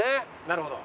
なるほど。